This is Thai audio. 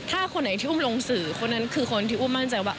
ถ้าคนไหนที่อุ้มลงสื่อคนนั้นคือคนที่อุ้มมั่นใจว่า